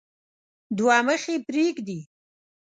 دوه مخي پريږدي.